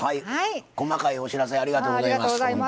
細かいお知らせありがとうございますほんとに。